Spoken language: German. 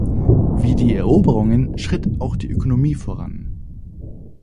Wie die Eroberungen schritt auch die Ökonomie voran.